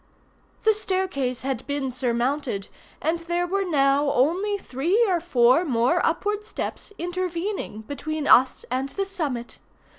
The staircase had been surmounted, and there were now only three or four more upward steps intervening between us and the summit.